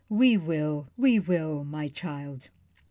We will, we will, my child!